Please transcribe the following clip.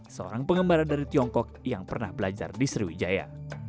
seorang pengembara dari tiongkok yang pernah belajar di sriwijaya